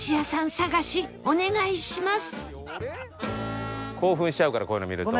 探しお願いします